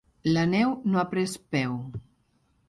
La neu no ha pres peu.